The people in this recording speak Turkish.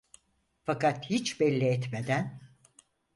Fakat hiç belli etmeden…